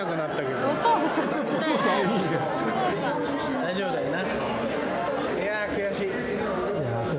大丈夫だよな。